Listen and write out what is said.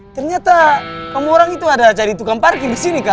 ternyata kamu orang itu ada cari tukang parking disini kak